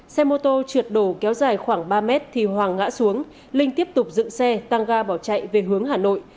xe mô tô trượt đổ kéo dài khoảng ba mét thì hoàng ngã xuống linh tiếp tục dựng xe tăng ga bỏ chạy về hướng hà nội